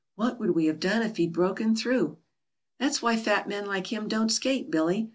What would we have done if he'd broken through?" "That's why fat men like him don't skate, Billy.